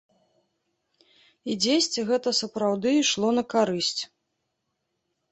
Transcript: І дзесьці гэта сапраўды ішло на карысць.